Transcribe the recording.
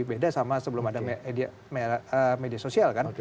beda sama sebelum ada media sosial kan